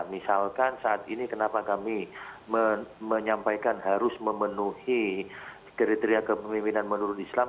misalkan saat ini kenapa kami menyampaikan harus memenuhi kriteria kepemimpinan menurut islam